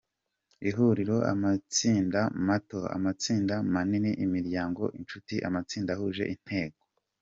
Ihuriro – Amatsinda mato, Amatsinda manini, Imiryango, Inshuti, Amatsinda ahuje intego.